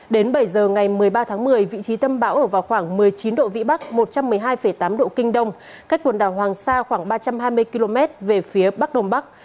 đến bảy giờ ngày một mươi ba tháng một mươi vị trí tâm bão ở vào khoảng một mươi chín độ vĩ bắc một trăm một mươi hai tám độ kinh đông cách quần đảo hoàng sa khoảng ba trăm hai mươi km về phía bắc đông bắc